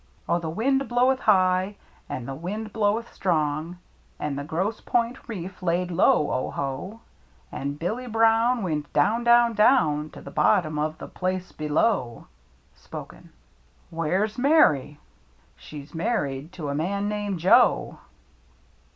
Oh, the wind blowed high, an^ the wind blowed strong. An' the Gross' Point' reef laid low, O ho ! An' Billy Brown Went down, down, down. To the bottom of the place below. (Spoken) WHERE'S MARY? She's married to a man named Joe.